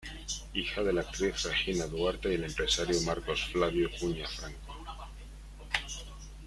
Hija de la actriz Regina Duarte y el empresario Marcos Flávio Cunha Franco.